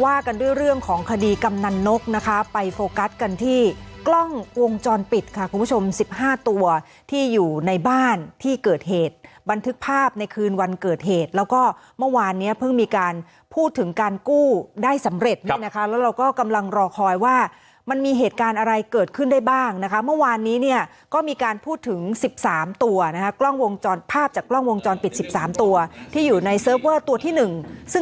ว่ากันด้วยเรื่องของคดีกำนันนกนะคะไปโฟกัสกันที่กล้องวงจรปิดค่ะคุณผู้ชมสิบห้าตัวที่อยู่ในบ้านที่เกิดเหตุบันทึกภาพในคืนวันเกิดเหตุแล้วก็เมื่อวานเนี้ยเพิ่งมีการพูดถึงการกู้ได้สำเร็จด้วยนะคะแล้วเราก็กำลังรอคอยว่ามันมีเหตุการณ์อะไรเกิดขึ้นได้บ้างนะคะเมื่อวานนี้เนี้ยก็มีการพูดถึง